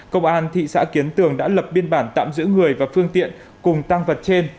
công an thị xã kiến tường đã lập biên bản tạm giữ người và phương tiện cùng tăng vật trên